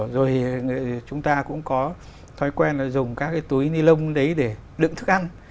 rồi chúng ta cũng có thói quen là dùng các cái túi ni lông đấy để đựng thức ăn